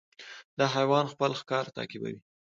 دا حیوان خپل ښکار تعقیبوي.